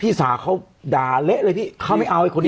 พี่สาวเขาด่าเละเลยพี่เขาไม่เอาไอ้คนนี้